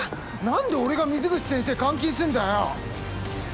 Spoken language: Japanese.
何で俺が水口先生監禁すんだよ。